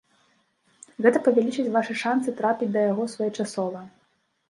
Гэта павялічыць вашы шанцы трапіць да яго своечасова.